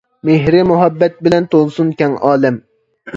مېھرى مۇھەببەت بىلەن تولسۇن كەڭ ئالەم!